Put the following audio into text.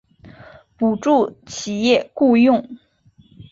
补助企业雇用